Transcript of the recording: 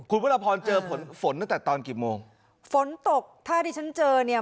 คุณพระพรเจอฝนเต้าแต่ตอนกี่โมงฝนตกท่านี่ฉันเจอเนี้ย